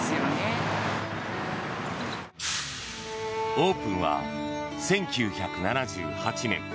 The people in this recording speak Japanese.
オープンは１９７８年。